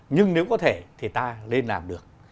nhưng nếu có thể thì ta nên làm được